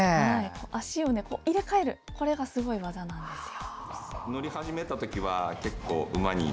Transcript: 足を入れ替えるのがすごい技なんですよ。